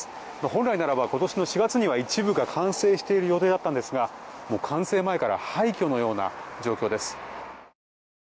本来ならば、今年の４月には一部が完成している予定だったんですが完成前から廃虚のような状況です。